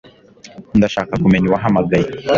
Ndashaka kumenya uwahamagaye